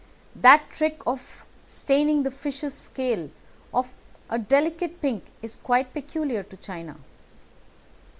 That trick of staining the fishes' scales of a delicate pink is quite peculiar to China.